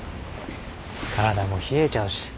体も冷えちゃうし。